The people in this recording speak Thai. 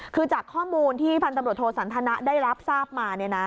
คือจากข้อมูลที่พันธบริโฑษศรรษณะได้รับทราบมา